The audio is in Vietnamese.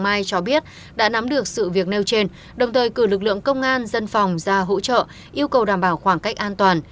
mai cho biết đã nắm được sự việc nêu trên đồng thời cử lực lượng công an dân phòng ra hỗ trợ yêu cầu đảm bảo khoảng cách an toàn